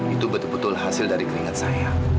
itu betul betul hasil dari keringat saya